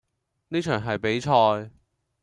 呢場係比賽